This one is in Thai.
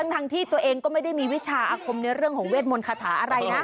ทั้งที่ตัวเองก็ไม่ได้มีวิชาอาคมในเรื่องของเวทมนต์คาถาอะไรนะ